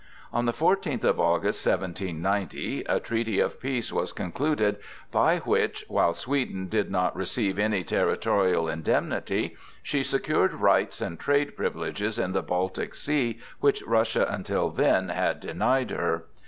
On the fourteenth of August, 1790, a treaty of peace was concluded by which, while Sweden did not receive any territorial indemnity, she secured rights and trade privileges in the Baltic Sea which Russia until then had denied her.